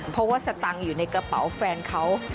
เพราะว่าสตังค์อยู่ในกระเป๋าแฟนเขา